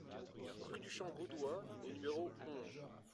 Rue du Champ Gaudois au numéro onze